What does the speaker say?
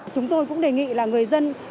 chúng tôi cũng đề nghị là người dân